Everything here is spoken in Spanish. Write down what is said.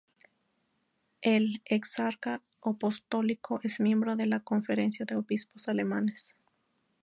El exarca apostólico es miembro de la Conferencia de Obispos Alemanes.